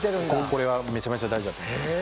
これはめちゃめちゃ大事だと思います。